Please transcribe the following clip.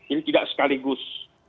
ini tidak sekaligus